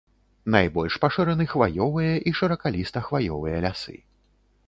Найбольш пашыраны хваёвыя і шыракаліста-хваёвыя лясы.